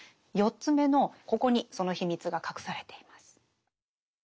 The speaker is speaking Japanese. ４つ目のここにその秘密が隠されています。